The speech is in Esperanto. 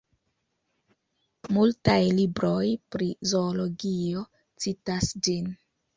Multaj libroj pri zoologio citas ĝin.